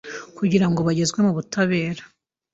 kugira ngo bagezwe mu butabera.